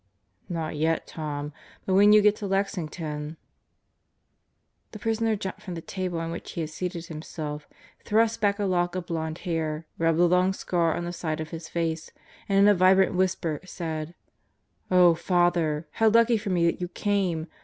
"Not yet, Tom, But when you get to Lexington ..." The prisoner jumped from the table on which he had seated himself, thrust back a lock of blonde hair, rubbed the long scar on the side of his face and in a vibrant whisper said, "Oh, Father! How lucky for me that you came!